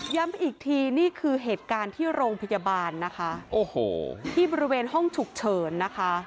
อีกทีนี่คือเหตุการณ์ที่โรงพยาบาลนะคะโอ้โหที่บริเวณห้องฉุกเฉินนะคะ